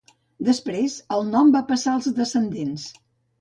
Després el nom va passar als descendents.